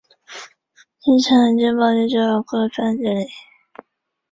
此等学者认为刘勋宁的分区法亦有一定可取之处。